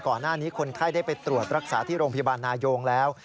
ก่อนหน้านี้คนไข้ได้ไปตรวจรักษาที่โรงพยาบาลนายงแล้ว